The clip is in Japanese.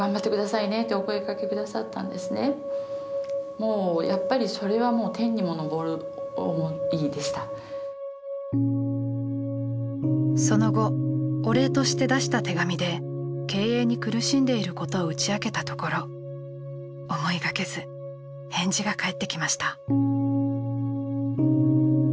もうやっぱりその後お礼として出した手紙で経営に苦しんでいることを打ち明けたところ思いがけず返事が返ってきました。